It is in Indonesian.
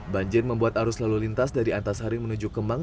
banjir membuat arus lalu lintas dari antasari menuju kemang